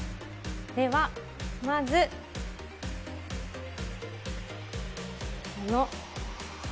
では、まず、この。